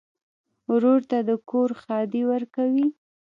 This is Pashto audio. ورور ته د کور ښادي ورکوې.